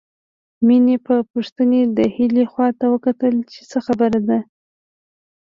مينې په پوښتنې د هيلې خواته وکتل چې څه خبره ده